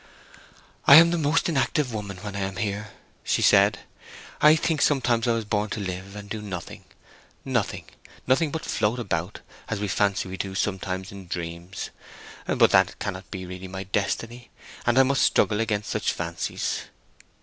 "I am the most inactive woman when I am here," she said. "I think sometimes I was born to live and do nothing, nothing, nothing but float about, as we fancy we do sometimes in dreams. But that cannot be really my destiny, and I must struggle against such fancies."